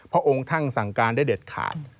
พระองค์ท่านสั่งการได้เด็ดขาด